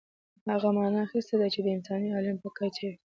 هغه معنا اخیستې ده چې د انساني عالم په کچه وي.